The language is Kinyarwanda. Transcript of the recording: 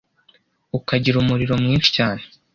ukagira umuriro mwinshi cyane